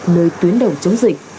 nơi tuyến đầu chống dịch